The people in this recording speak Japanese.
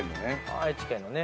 愛知県のね。